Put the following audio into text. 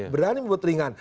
berani membuat ringan